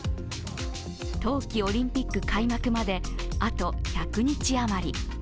冬季オリンピック開幕まであと１００日余り。